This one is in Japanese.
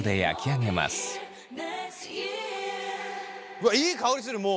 うわいい香りするもう。